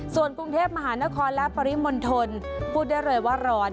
ส่วนกรุงเทพมหานครและปริมณฑลพูดได้เลยว่าร้อน